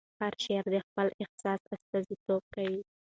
هر شاعر د خپل احساس استازیتوب کوي.